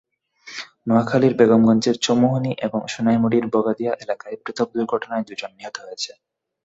নোয়াখালীর বেগমগঞ্জের চৌমুহনী এবং সোনাইমুড়ীর বগাদিয়া এলাকায় পৃথক দুর্ঘটনায় দুজন নিহত হয়েছে।